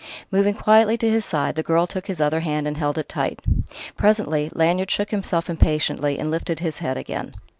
Moving quietly to his side, the girl took his other hand and held it tight.... Presently Lanyard shook himself impatiently and lifted his head again.